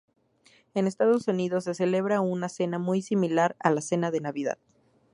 En Estados Unidos se celebra una cena muy similar a la cena de Navidad.